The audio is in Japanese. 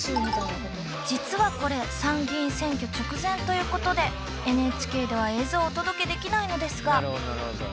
実はこれ参議院選挙直前ということでＮＨＫでは映像をお届けできないのですが。